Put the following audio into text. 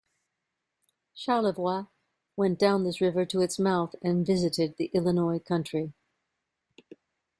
Charlevoix went down this river to its mouth and visited the Illinois Country.